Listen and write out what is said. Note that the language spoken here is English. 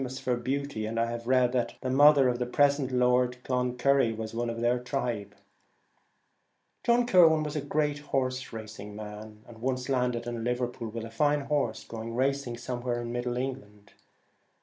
Kidnappers. They have ever been famous for beauty, and I have read that the mother of the present Lord Cloncurry was of their tribe. John Kirwan was a great horse racing man, and once landed in Liverpool with a fine horse, going racing somewhere in middle England.